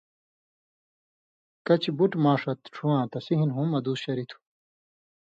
کَچھ بُٹ ماݜہ ݜُواں تسی ہِن ہُم ادُوس شریۡ تھُو۔